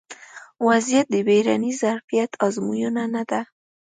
ا وضعیت د بیړني ظرفیت ازموینه نه ده